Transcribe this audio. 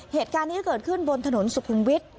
เหตุการณ์นี้เกิดขึ้นบนถนนสุขุมวิทย์